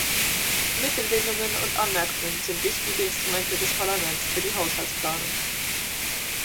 Mittelbindungen und Anmerkungen sind wichtige Instrumente des Parlaments für die Haushaltsplanung.